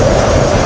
itu udah gila